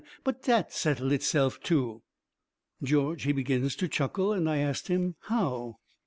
But dat settle HITse'f, too." George, he begins to chuckle, and I ast him how.